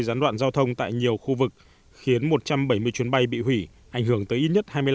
gián đoạn giao thông tại nhiều khu vực khiến một trăm bảy mươi chuyến bay bị hủy ảnh hưởng tới ít nhất hai mươi năm